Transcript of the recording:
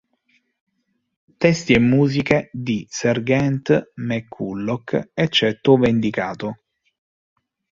Testi e musiche di Sergeant, McCulloch, eccetto ove indicato.